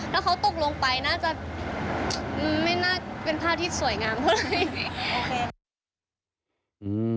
ถ้าเขาตกลงไปน่าจะไม่น่าเป็นภาพที่สวยงามเท่าไหร่